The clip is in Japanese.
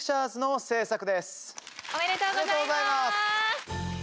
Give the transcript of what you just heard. おめでとうございます。